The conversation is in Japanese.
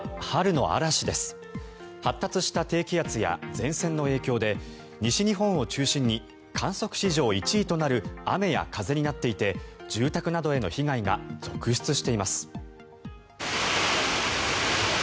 発達した低気圧や前線の影響で西日本を中心に観測史上１位となる雨や風になっていて住宅などへの被害が続出しています。